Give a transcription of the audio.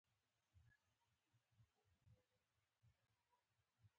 زړه د صداقت نه رڼا اخلي.